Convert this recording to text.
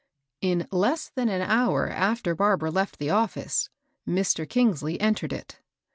In less than an hour after Barbara left die office, Mr. Eingsley entered it.